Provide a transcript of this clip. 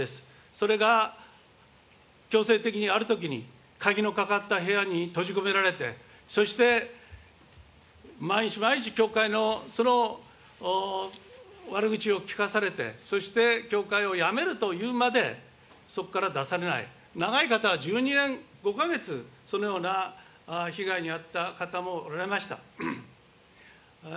それが強制的に、あるときに、鍵のかかった部屋に閉じ込められて、そして、毎日毎日教会の悪口を聞かされて、そして教会をやめるというまで、そこから出されない、長い方は１２年５か月、そのような被害に遭った方もおられました。